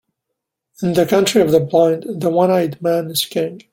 In the country of the blind, the one-eyed man is king.